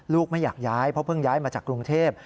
ไม่อยากย้ายเพราะเพิ่งย้ายมาจากกรุงเทพ